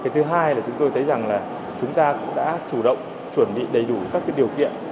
thứ hai là chúng tôi thấy rằng là chúng ta cũng đã chủ động chuẩn bị đầy đủ các điều kiện